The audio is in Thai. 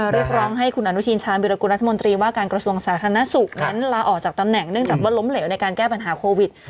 เรียกร้องให้คุณอนุทินชาญวิรากุลรัฐมนตรีว่าการกระทรวงสาธารณสุขนั้นลาออกจากตำแหน่งเนื่องจากว่าล้มเหลวในการแก้ปัญหาโควิด